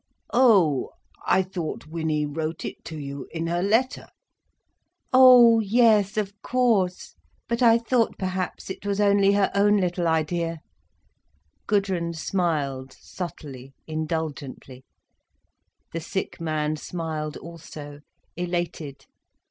"Oh!—I thought Winnie wrote it to you, in her letter!" "Oh—yes—of course. But I thought perhaps it was only her own little idea—" Gudrun smiled subtly, indulgently. The sick man smiled also, elated.